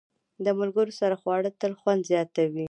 د ملګرو سره خواړه تل خوند زیاتوي.